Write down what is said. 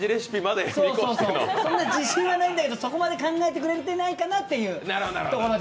そんな自信はないんだけど、そこまで考えてくれないかなというところまで。